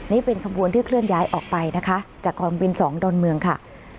นี่เป็นขบวนที่เคลื่อนย้ายออกไปนะคะจากกองบิน๒ดอนเมืองค่ะ